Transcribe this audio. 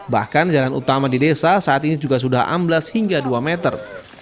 bahkan jalan utama di desa saat ini juga sudah amblas hingga dua meter